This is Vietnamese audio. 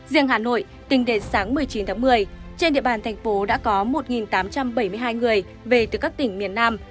riêng hà nội tính đến sáng một mươi chín tháng một mươi trên địa bàn thành phố đã có một tám trăm bảy mươi hai người về từ các tỉnh miền nam